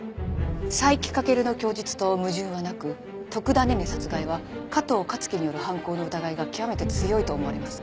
斉木翔の供述と矛盾はなく徳田寧々殺害は加藤香月による犯行の疑いが極めて強いと思われます。